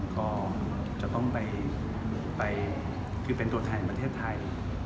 ก็จะต้องไปคือเป็นตัวแทนประเทศไทย